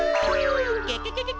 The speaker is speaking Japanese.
ケケケケケ！